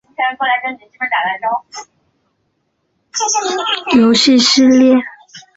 是日本光荣公司制作的一个关于第二次世界大战海战的战略模拟类游戏系列。